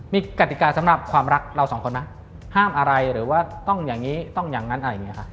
มีกติกาสำหรับความรักเราสองคนไหมห้ามอะไรหรือว่าต้องอย่างนี้ต้องอย่างนั้นอะไรอย่างนี้ค่ะ